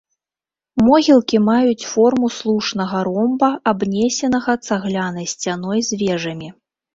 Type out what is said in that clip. Могілкі маюць форму слушнага ромба, абнесенага цаглянай сцяной з вежамі.